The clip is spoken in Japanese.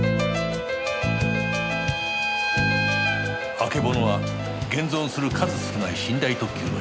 あけぼのは現存する数少ない寝台特急の１つである